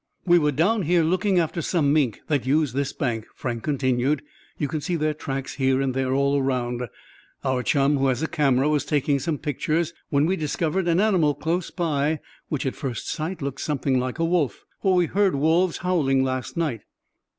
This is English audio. "We were down here looking after some mink that use this bank," Frank continued. "You can see their tracks here and there all around. Our chum who has a camera was taking some pictures, when we discovered an animal close by which at first sight looked something like a wolf, for we heard wolves howling last night."